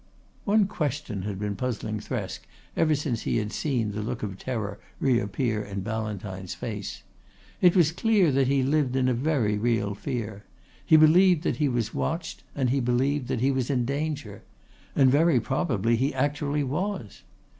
One question had been puzzling Thresk ever since he had seen the look of terror reappear in Ballantyne's face. It was clear that he lived in a very real fear. He believed that he was watched, and he believed that he was in danger; and very probably he actually was.